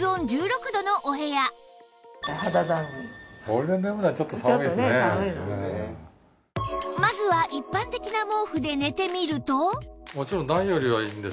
こちらはまずは一般的な毛布で寝てみると